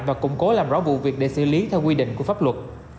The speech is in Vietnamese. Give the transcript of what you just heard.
và củng cố làm rõ vụ việc để xử lý theo quy định của pháp luật